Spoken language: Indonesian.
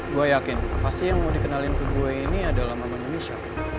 gue yakin pasti yang mau dikenalin ke gue ini adalah mama indonesia